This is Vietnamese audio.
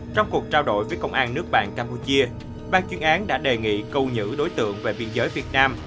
trong cuộc trao đổi với công an nước bạn campuchia ban chuyên án đã đề nghị cầu nhữ đối tượng về biên giới việt nam